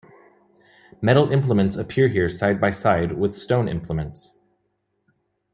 Metal implements appear here side-by-side with stone implements.